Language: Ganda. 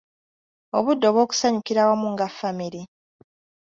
Obudde obw’okusanyukira awamu nga famire.